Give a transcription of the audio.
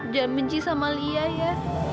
dia benci sama lia ya